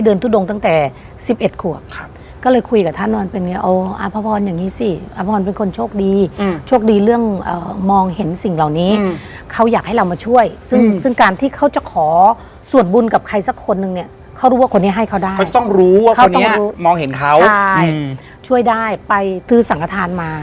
เขาต้องรู้ว่าคนนี้มองเห็นเขาใช่ช่วยได้ไปซื้อสังธารมา